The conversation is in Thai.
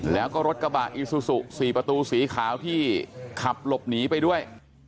แล้วก็รถกระบะอีซูซู๔ประตูสีขาวที่ขับหลบหนีไปด้วย